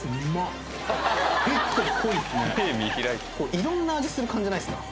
いろんな味する感じないですか？